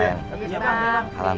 terima aja bang